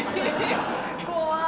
怖い。